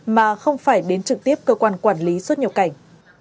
mà không phải đến trực tiếp cơ quan quản lý xuất nhập cảnh